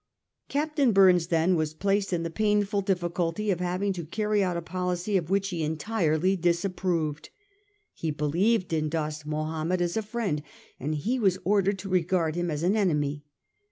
Captain Burnes then was placed in the painful difficulty of having to carry out a policy of which he entirely disapproved. He believed in Dost 230 A HISTORY OF OUR OWN TIMES. CH SI. Mahomed as a friend, and he was ordered to regard him as an enemy.